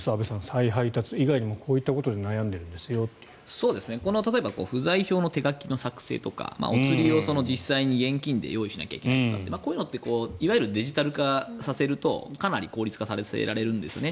再配達以外にもこういうことで不在票の手書きの作成とかお釣りを実際に現金で用意しなきゃいけないとかってこういうのっていわゆるデジタル化させるとかなり効率化させられるんですよね。